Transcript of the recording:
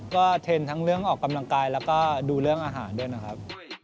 ก็เทรนด์ทั้งเรื่องออกกำลังกายแล้วก็ดูเรื่องอาหารด้วยนะครับ